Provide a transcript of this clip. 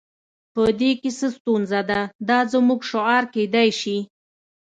په دې کې څه ستونزه ده دا زموږ شعار کیدای شي